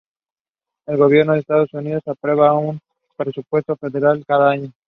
El gobierno de Estados Unidos aprueba un presupuesto federal cada año.